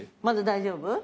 まだ大丈夫？